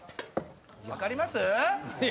分かります？